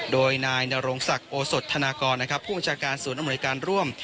โดยนายนรงศักดิ์โอสดธนากรผู้บัญชาการศูนย์อำนวยการร่วม